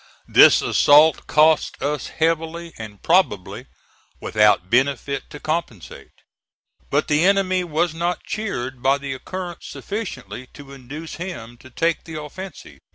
This assault cost us heavily and probably without benefit to compensate: but the enemy was not cheered by the occurrence sufficiently to induce him to take the offensive.